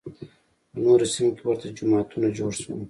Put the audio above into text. په نورو سیمو کې ورته جماعتونه جوړ شول